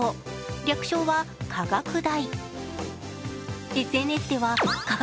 略称は科学大。